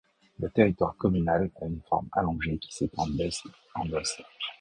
Le territoire communal a une forme allongée qui s'etend d'est en ouest.